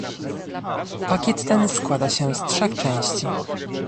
Pakiet ten składa się z trzech części